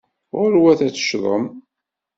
Ɣurwet ad tecḍem.